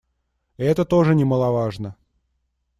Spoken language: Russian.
И это тоже немаловажно.